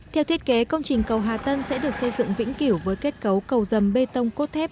theo thiết kế công trình cầu hà tân sẽ được xây dựng vĩnh kiểu với kết cấu cầu dầm bê tông cốt thép